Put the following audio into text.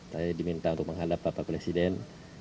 saya diminta untuk menghadap bapak presiden